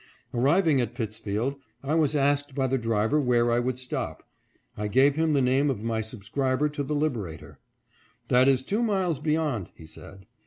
Arriving at Pittsfield, I was asked by the driver where I would stop. I gave him the name of my subscriber to the Liberator. " That is two miles beyond," he said.